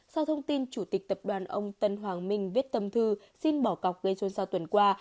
sau thông tin chủ tịch tập đoàn ông tân hoàng minh viết tâm thư xin bỏ cọc gây xôn xao tuần qua